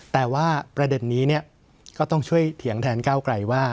แต่ว่าประเด็นนี้ก็ต้องช่วยเถียงแทนก้าวไกลว่า